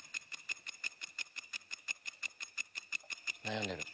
悩んでる。